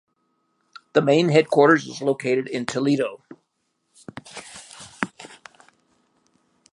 The main headquarters is located in Toledo.